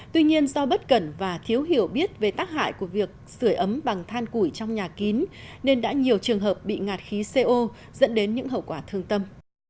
tuy nhiên do bất cẩn và thiếu hiểu biết về tác hại của việc sửa ấm bằng than củi trong nhà kín nên đã nhiều trường hợp bị ngạt khí co dẫn đến những hậu quả thương tâm